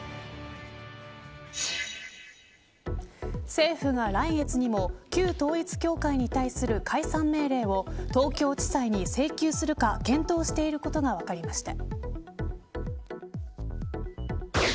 政府が来月にも旧統一教会に対する解散命令を東京地裁に請求するか検討していることが分かりました。